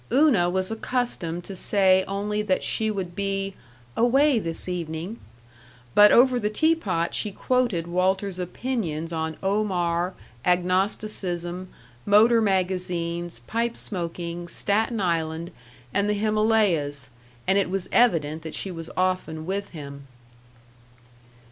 Una was accustomed to say only that she would be "away this evening," but over the teapot she quoted Walter's opinions on Omar, agnosticism, motor magazines, pipe smoking, Staten Island, and the Himalayas, and it was evident that she was often with him.